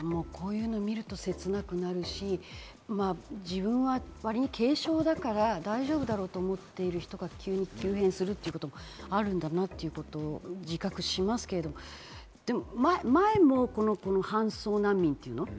せつなくなるし、自分はわりに軽症だから大丈夫だろうと思っている人が急に急変するっていうこともあるんだなっていうことを自覚しますけれども、前も搬送難民っていうの？